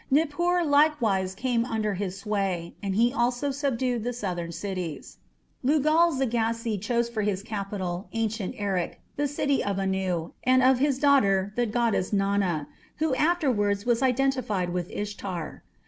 Nippur likewise came under his sway, and he also subdued the southern cities. Lugal zaggisi chose for his capital ancient Erech, the city of Anu, and of his daughter, the goddess Nana, who afterwards was identified with Ishtar.